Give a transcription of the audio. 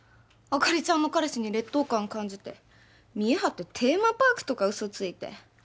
あかりちゃんの彼氏に劣等感感じて見え張ってテーマパークとか嘘ついて。